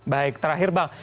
baik terakhir bang